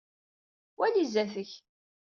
Wali zdat-k.